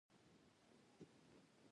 دلته د بیګرام لرغونی ښار و